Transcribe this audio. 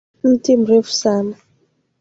Mti mrefu sana.